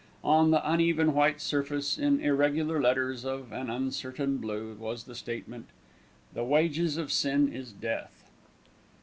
On the uneven white surface, in irregular letters of an uncertain blue, was the statement, "The Wages of Sin is Death."